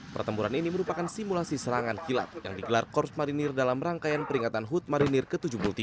pertempuran ini merupakan simulasi serangan kilat yang digelar korps marinir dalam rangkaian peringatan hud marinir ke tujuh puluh tiga